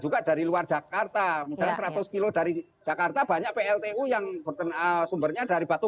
juga dari luar jakarta misalnya seratus kilo dari jakarta banyak pltu yang sumbernya dari batu